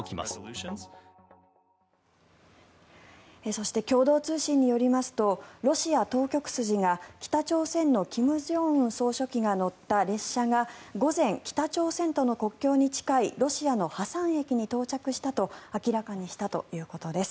そして共同通信によりますとロシア当局筋が、北朝鮮の金正恩総書記が乗った列車が午前、北朝鮮との国境に近いロシアのハサン駅に到着したと明らかにしたということです。